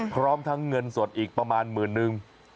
พร้อมทั้งเงินสดอีกประมาณหมื่นนึง